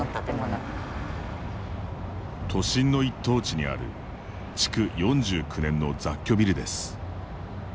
都心の１等地にある築４９年の雑居ビルです。